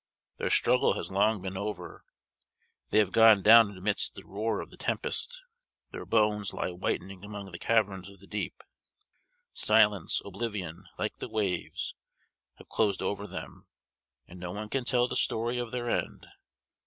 Their struggle has long been over they have gone down amidst the roar of the tempest their bones lie whitening among the caverns of the deep. Silence, oblivion, like the waves, have closed over them, and no one can tell the story of their end.